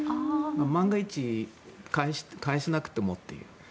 万が一、返さなくてもという。